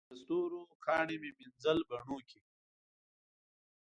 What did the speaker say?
د ستورو کاڼي مې مینځل بڼوکي